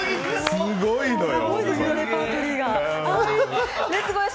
すごいのよ。